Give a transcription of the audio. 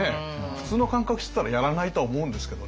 普通の感覚してたらやらないと思うんですけどね。